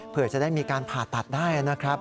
เพื่อจะได้มีการผ่าตัดได้นะครับ